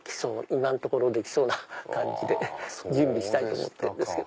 今のところできそうな感じで準備したいと思ってるんですけど。